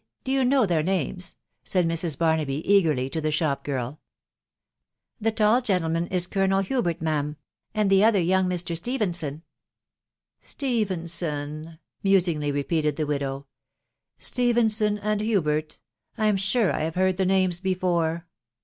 «... do you know their names ? said Mrs. Barrrahy eagerly to* the ahop^giiL " Hie taH gentleman ia Colonel Hubert, ma'am •■ and the other, young Mr. Stephenson." " Stephenson, .... musingly repeated tao widow*, — ft Stephenson and Hubert !.... I am sure I have beard the names before."